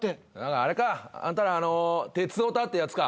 ああれか。あんたら鉄オタっていうやつか。